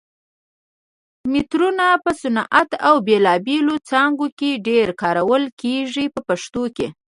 مترونه په صنعت او بېلابېلو څانګو کې ډېر کارول کېږي په پښتو کې.